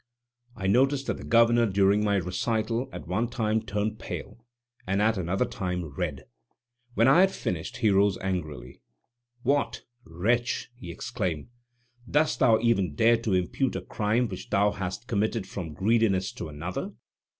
I noticed that the Governor, during my recital, at one time turned pale, and at another time red. When I had finished, he rose angrily: "What, wretch!" he exclaimed, "dost thou even dare to impute a crime which thou hast committed from greediness to another?"